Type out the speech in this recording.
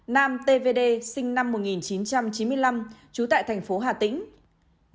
nam t v d sinh năm một nghìn chín trăm chín mươi năm chú tại thành phố hà tĩnh